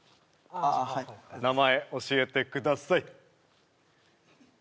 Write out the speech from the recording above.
ああはい名前教えてください